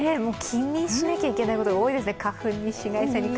気にしなきゃいけないことが多いですね。